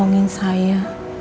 bukankah elsa bisa